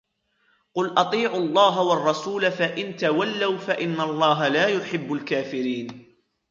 قُلْ أَطِيعُوا اللَّهَ وَالرَّسُولَ فَإِنْ تَوَلَّوْا فَإِنَّ اللَّهَ لَا يُحِبُّ الْكَافِرِينَ